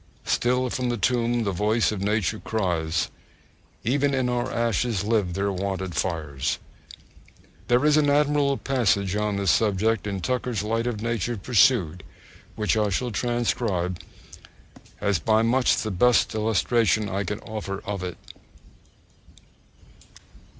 Still from the tomb the voice of nature cries; Even in our ashes live their wonted fires! There is an admirable passage on this subject in Tucker's Light of Nature Pursued, which I shall transcribe, as by much the best illustration I can offer of it.